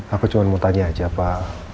aku cuma mau tanya aja pak